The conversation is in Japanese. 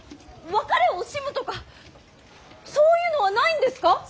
別れを惜しむとかそういうのはないんですか。